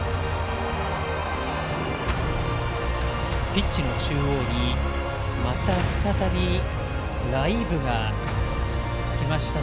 ピッチの中央にまた再びライーブが来ました。